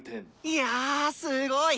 いやぁすごい！